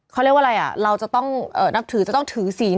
เขาเรียกว่าอะไรอ่ะเราจะต้องนับถือจะต้องถือศีล